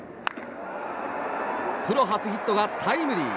プロ初ヒットがタイムリー。